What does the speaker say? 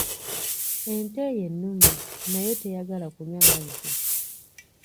Ente ye nnume naye teyagala kunywa mazzi.